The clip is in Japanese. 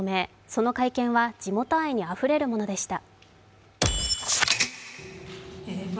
その会見は地元愛にあふれるものでした。